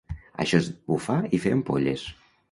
Això és bufar i fer ampolles